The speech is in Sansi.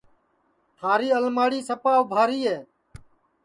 تھاری الماڑی سپا اُبھاری ہے